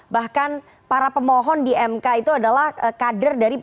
bahkan para pemohon di mk itu adalah kader dari p tiga